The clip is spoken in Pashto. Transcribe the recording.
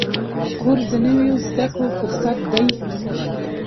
کورس د نویو زده کړو فرصت دی.